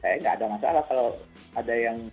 saya nggak ada masalah kalau ada yang